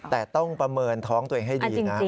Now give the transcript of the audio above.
แต่ต้องประเมินท้องตัวเองให้ดีนะ